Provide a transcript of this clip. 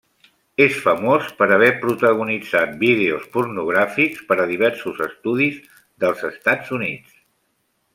És famós per haver protagonitzat vídeos pornogràfics per a diversos estudis dels Estats Units.